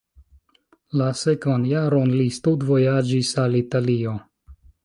La sekvan jaron li studvojaĝis al Italio.